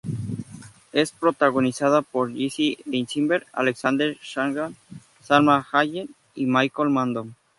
Es protagonizada por Jesse Eisenberg, Alexander Skarsgård, Salma Hayek y Michael Mando.